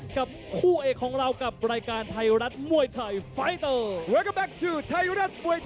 กับคู่เอกของเรากับรายการไทยรัฐมวยไทยไฟเตอร์